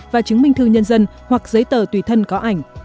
và chứng minh thư nhân dân hoặc giấy tờ tùy thân có ảnh